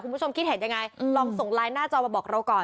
คุณผู้ชมคิดเห็นยังไงลองส่งไลน์หน้าจอมาบอกเราก่อน